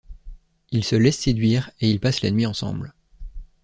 Il se laisse séduire et ils passent la nuit ensemble.